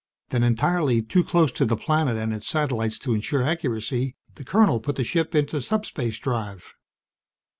Then, entirely too close to the planet and its satellites to ensure accuracy, the colonel put the ship into subspace drive.